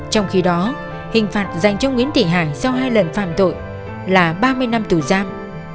trong khi đó hình phạt dành cho nguyễn thị hải sau hai lần phạm tội là ba mươi năm tù giam